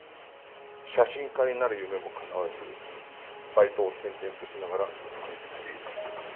写真家になる夢もかなわずバイトを転々としながら食い繋いでいる。